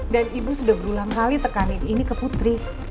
dan ibu sudah berulang kali tekanin ini ke putri